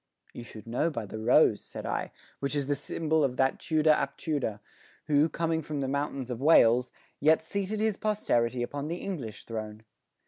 "You should know by the rose," said I, "which is the symbol of that Tudor ap Tudor, who, coming from the mountains of Wales, yet seated his posterity upon the English throne.